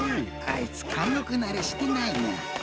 あいつかんごくなれしてないな。